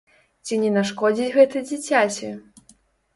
Ці не нашкодзіць гэта дзіцяці?